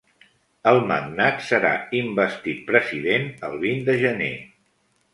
El magnat serà investit president el vint de gener.